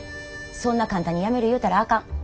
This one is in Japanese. そんな簡単にやめる言うたらあかん。